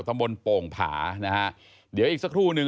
ตำบลโป่งผานะฮะเดี๋ยวอีกสักครู่หนึ่ง